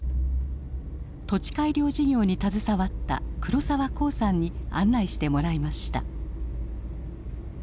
土地改良事業に携わった黒澤孝さんに案内してもらいました。